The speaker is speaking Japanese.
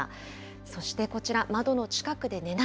そしてこちら、窓の近くで寝ない。